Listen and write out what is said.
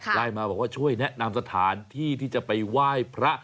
ไลน์มาบอกว่าช่วยแนะนำสถานที่ที่จะไปไหว้พระ